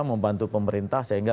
membantu pemerintah sehingga